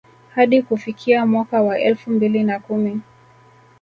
Hadi kufikia mwaka wa elfu mbili na kumi